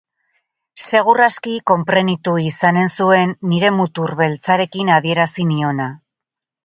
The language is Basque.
Segur aski konprenitu izanen zuen nire mutur beltzarekin adierazi niona.